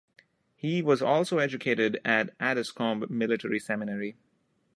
He was also educated at Addiscombe Military Seminary.